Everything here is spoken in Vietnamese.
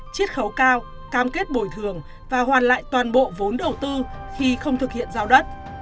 chiết khấu cao cam kết bồi thường và hoàn lại toàn bộ vốn đầu tư khi không thực hiện giao đất